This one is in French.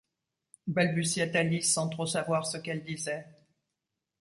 balbutiait Alice, sans trop savoir ce qu’elle disait.